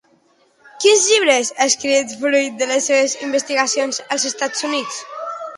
Quins llibres ha escrit fruit de les seves investigacions als Estats Units?